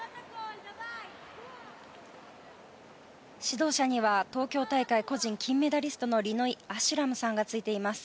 指導者には東京大会個人金メダリストのリノイ・アシュラムさんがついています。